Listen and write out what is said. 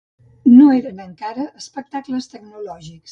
No eren, encara, espectacles tecnològics.